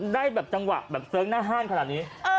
ได้แบบจังหวะแบบเสิร์งหน้าห้านขนาดนี้